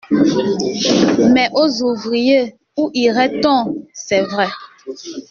Mais aux ouvriers !… Où irait-on ? C'est vrai.